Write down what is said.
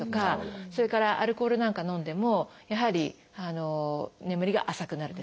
それからアルコールなんか飲んでもやはり眠りが浅くなるですとか